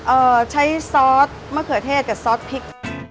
เอ่อใช้ซอสมะเขือเทศกับซอสพริก